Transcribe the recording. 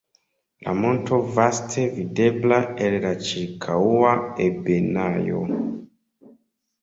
La monto vaste videbla el la ĉirkaŭa ebenaĵo.